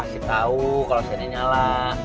masih tahu kalau send nya nyala